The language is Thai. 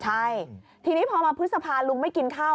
ใช่ทีนี้พอมาพฤษภาลุงไม่กินข้าว